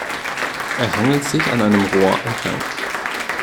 Er hangelt sich an einem Rohr entlang.